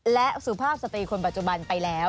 และสุภาพสตรีคนปัจจุบันไปแล้ว